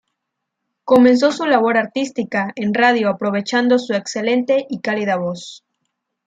Comenzó su labor artística en radio aprovechando su excelente y cálida voz.